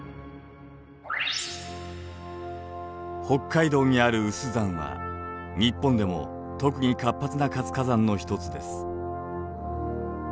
北海道にある有珠山は日本でも特に活発な活火山の一つです。